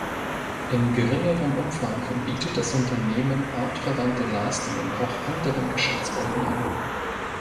In geringerem Umfang bietet das Unternehmen artverwandte Leistungen auch anderen Geschäftskunden an.